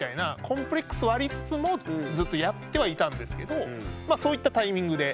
コンプレックスはありつつもずっとやってはいたんですけどそういったタイミングで。